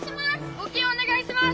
募金お願いします！